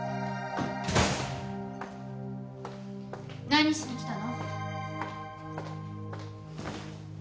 何しに来たの？